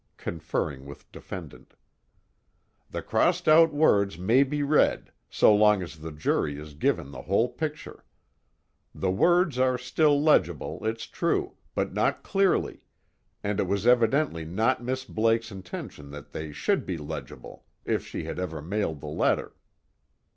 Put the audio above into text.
[Conferring with defendant.] The crossed out words may be read, so long as the jury is given the whole picture. The words are still legible, it's true, but not clearly, and it was evidently not Miss Blake's intention that they should be legible, if she had ever mailed the letter.